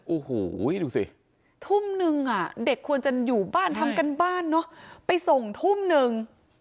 โอ้โหดูสิทุ่มนึงเด็กควรจะอยู่บ้านทำการบ้านเนอะไปส่งทุ่มนึง